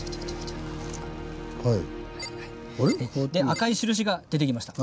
赤い印が出てきました。